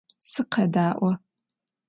Sıkheda'o!